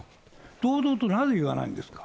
堂々となぜ言わないんですか。